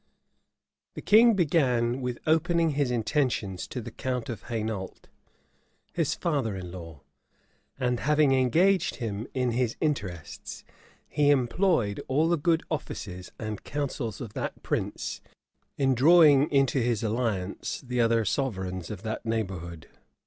The king began with opening his intentions to the count of Hainault, his father in law; and having engaged him in his interests, he employed the good offices and councils of that prince in drawing into his alliance the other sovereigns of that neighborhood.